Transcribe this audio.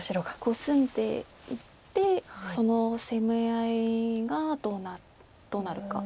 コスんでいってその攻め合いがどうなるか。